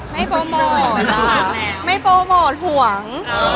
ไม่โปรโมทไม่โปรโมทห่วง